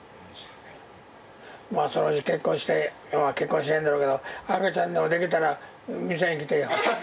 まあそのうち結婚して結婚しないんだろうけど赤ちゃんでもできたら見せに来てよ。